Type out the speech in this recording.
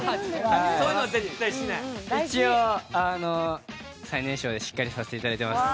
一応、最年少でしっかりさせていただいてます。